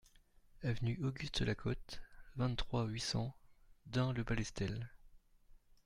Avenue Auguste Lacote, vingt-trois, huit cents Dun-le-Palestel